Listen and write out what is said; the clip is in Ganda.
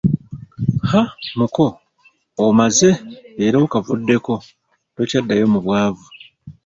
Ha Muko, omaze, era okavuddeko, tokyaddayo mu bwavu